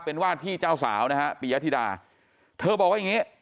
เป็นวาดที่เจ้าสาวนะฮะปียธิดาเธอบอกว่าอย่างงี้